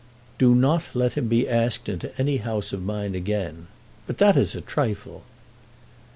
"Do not let him be asked into any house of mine again. But that is a trifle."